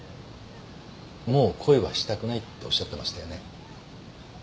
もう恋はしたくないっておっしゃってましたよね？